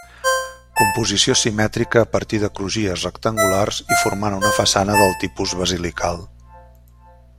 Composició simètrica a partir de crugies rectangulars i formant una façana del tipus basilical.